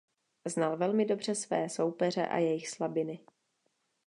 Znal velmi dobře své soupeře a jejich slabiny.